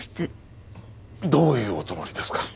どういうおつもりですか？